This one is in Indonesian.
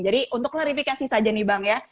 jadi untuk klarifikasi saja nih bang ya